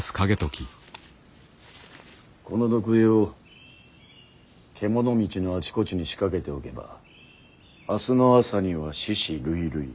この毒餌を獣道のあちこちに仕掛けておけば明日の朝には死屍累々。